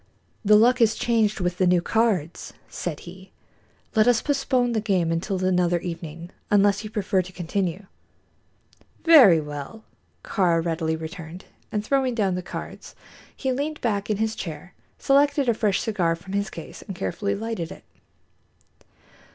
"The luck has changed with the new cards," said he. "Let us postpone the game until another evening, unless you prefer to continue." "Very well," Kāra readily returned, and throwing down the cards, he leaned back in his chair, selected a fresh cigar from his case and carefully lighted it.